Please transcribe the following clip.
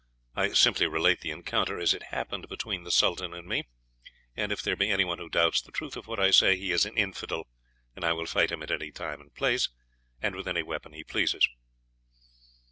I simply relate the encounter as it happened between the Sultan and me; and if there be any one who doubts the truth of what I say, he is an infidel, and I will fight him at any time and place, and with any weapon he pleases.